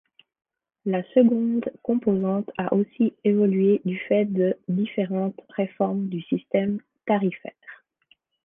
La seconde composante a aussi évolué du fait de différentes réformes du système tarifaire.